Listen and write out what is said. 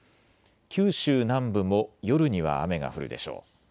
九州南部も夜には雨が降るでしょう。